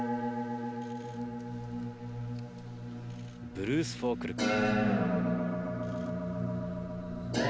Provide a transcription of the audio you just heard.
「ブルース・フォー・クルック」。